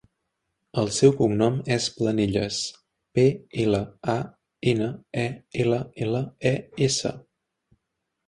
El seu cognom és Planelles: pe, ela, a, ena, e, ela, ela, e, essa.